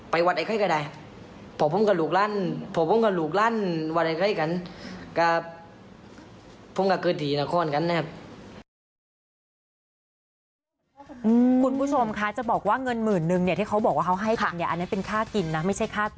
ไปวัดไอไข้นะครับวัดไอไข้ก็ได้นะครับ